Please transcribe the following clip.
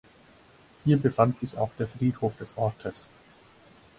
Hier befand sich auch der Friedhof des Ortes.